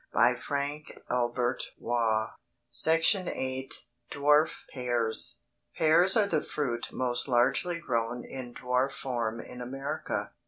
VIII DWARF PEARS Pears are the fruit most largely grown in dwarf form in America.